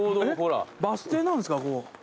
えっバス停なんですか？